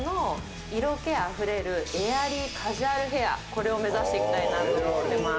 これを目指していきたいなと思っています。